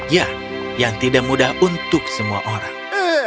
ya yang tidak mudah untuk semua orang